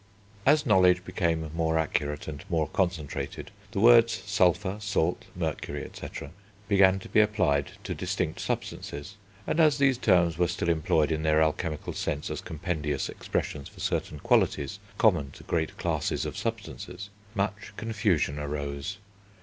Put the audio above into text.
As knowledge became more accurate and more concentrated, the words sulphur, salt, mercury, &c., began to be applied to distinct substances, and as these terms were still employed in their alchemical sense as compendious expressions for certain qualities common to great classes of substances, much confusion arose.